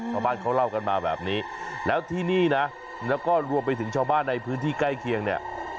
ชาวบ้านเขาเล่ากันมาแบบนี้แล้วที่นี่นะแล้วก็รวมไปถึงชาวบ้านในพื้นที่ใกล้เคียงเนี่ย